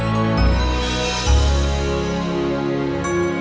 bayar dulu jangan